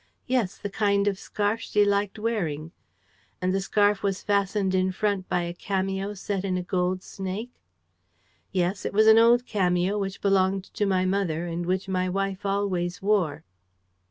"Yes, the kind of scarf she liked wearing." "And the scarf was fastened in front by a cameo set in a gold snake?" "Yes, it was an old cameo which belonged to my mother and which my wife always wore."